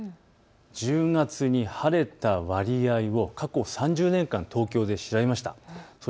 １０月に晴れた割合を過去３０年間、東京で調べました。